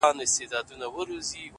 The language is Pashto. د سيند پر غاړه، سندريزه اروا وچړپېدل،